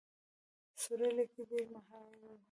سورلۍ کې ډېر ماهر وو.